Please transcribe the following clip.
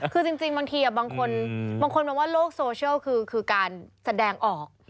คือจริงบางทีบางคนมองว่าโลกโซเชียลคือการแสดงออก